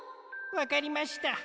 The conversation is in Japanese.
わかりました。